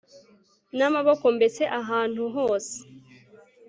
namaboko mbese ahantu hose